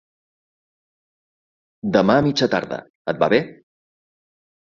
Demà a mitja tarda, et va bé?